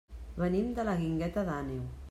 Venim de la Guingueta d'Àneu.